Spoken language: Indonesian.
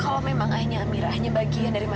kalau memang ayahnya amira hanya bagian dari diri kamu